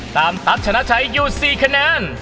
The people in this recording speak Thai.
ตั๊ดชนะชัยอยู่๔คะแนน